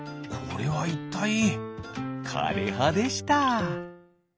これはいったいかれはでした。